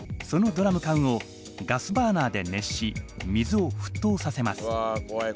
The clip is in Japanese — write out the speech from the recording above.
そのドラム缶をガスバーナーで熱し水をふっとうさせます。